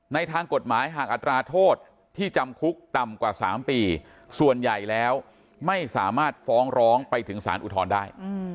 ทางกฎหมายหากอัตราโทษที่จำคุกต่ำกว่า๓ปีส่วนใหญ่แล้วไม่สามารถฟ้องร้องไปถึงสารอุทธรณ์ได้